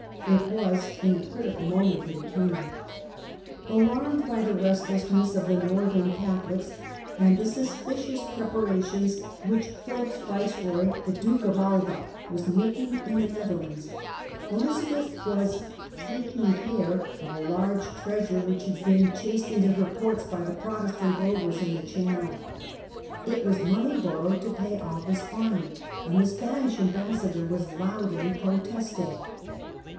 It was in a critical moment that he came. Alarmed by the restlessness of the Northern Catholics and the sus picious preparations which Philip's Viceroy, the Duke of Alva, was making in the Netherlands, Elizabeth was "taking care" of a large treasure which had been CHAP. II A CRITICAL MOMENT 17 chased into her ports by the Protestant rovers in the Channel. It was money borrowed to pay Alva's army, and the Spanish Ambassador was loudly protesting.